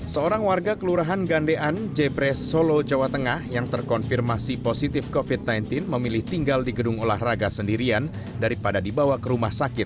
seorang warga kelurahan gandean jepres solo jawa tengah yang terkonfirmasi positif covid sembilan belas memilih tinggal di gedung olahraga sendirian daripada dibawa ke rumah sakit